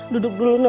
duduk dulu nona